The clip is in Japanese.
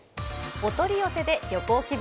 お取り寄せで旅行気分